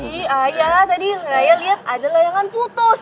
ii ayah tadi raya liat ada layangan putus